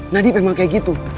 nadif emang kayak gitu